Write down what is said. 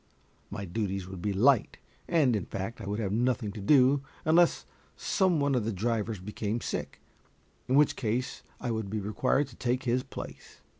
My duties would be light, and, in fact, I would have nothing to do, unless some one of the drivers became sick, in which case I would be required to take his place.